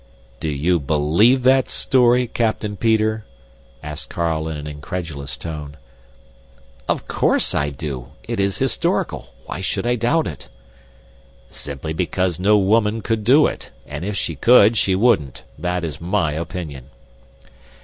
"Do you BELIEVE that story, Captain Peter?" asked Carl in an incredulous tone. "Of course, I do. It is historical. Why should I doubt it?" "Simply because no woman could do it and if she could, she wouldn't. That is my opinion."